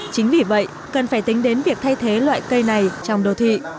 chính vì vậy cần phải tính đến việc thay thế loại cây này trong đô thị